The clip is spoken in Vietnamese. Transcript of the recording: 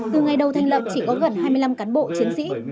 từ ngày đầu thành lập chỉ có gần hai mươi năm cán bộ chiến sĩ